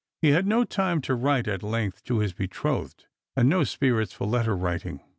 He had no time to write at length to his betrothed, and no spirits for letter writincr.